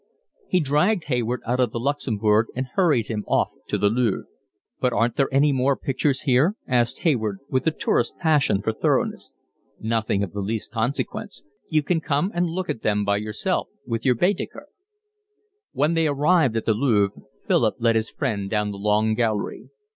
He dragged Hayward out of the Luxembourg and hurried him off to the Louvre. "But aren't there any more pictures here?" asked Hayward, with the tourist's passion for thoroughness. "Nothing of the least consequence. You can come and look at them by yourself with your Baedeker." When they arrived at the Louvre Philip led his friend down the Long Gallery.